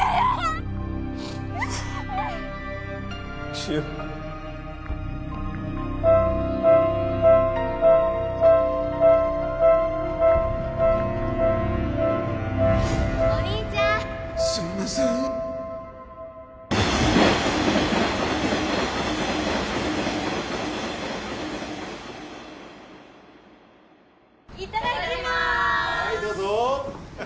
はいどうぞ！